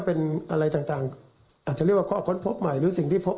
เป็นอะไรต่างอาจจะเรียกว่าข้อค้นพบใหม่หรือสิ่งที่พบ